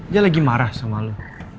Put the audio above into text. dia lagi marah sama lo